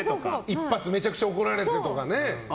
一発、めちゃくちゃ怒られてとかね。